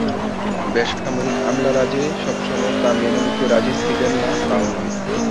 বেসামরিক আমলারা যে সবসময় তা মেনে নিতে রাজি ছিলেন না তাও নয়।